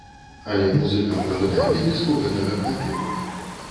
Але музыкам на выданне дыску гэтага хапіла.